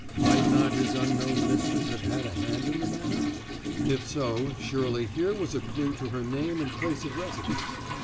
Might not his unknown mistress have had a hand in the matter? If so, surely here was a clue to her name and place of residence.